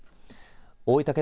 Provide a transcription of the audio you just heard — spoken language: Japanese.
大分県